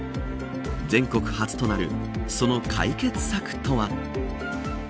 全国初となる、その解決策とは。